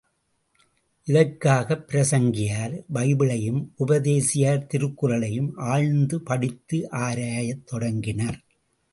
இதற்காகப் பிரசங்கியார் பைபிளையும், உபதேசியார் திருக்குறளையும் ஆழ்ந்து படித்து ஆராயத் தொடங்கினர்.